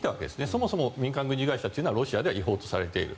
そもそも民間軍事会社というのはロシアでは違法とされている。